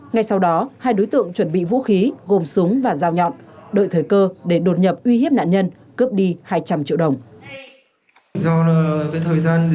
ngay sau đó hai đối tượng chuẩn bị vũ khí gồm súng và dao nhọn đợi thời cơ để đột nhập uy hiếp nạn nhân cướp đi hai trăm linh triệu đồng